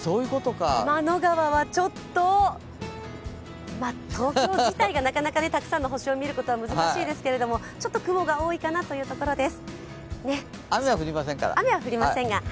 天の川はちょっと東京自体がなかなかたくさんの星を見るのがむずかしいですけどちょっと雲が多いかなというところです。